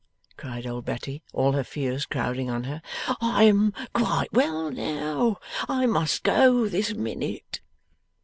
cried old Betty, all her fears crowding on her. 'I am quite well now, and I must go this minute.